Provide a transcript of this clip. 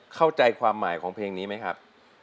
เข้าใจความหมายของเพลงนี้ไหมครับ